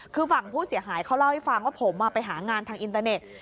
คือฝั่งผู้เสียหายเขาเล่าให้ฟังว่าผมไปหางานทางอินเตอร์เน็ต